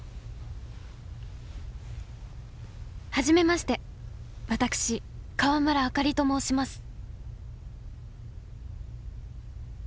初めまして私川村あかりと申します